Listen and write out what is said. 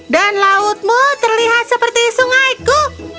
dan lautmu terlihat seperti sungaiku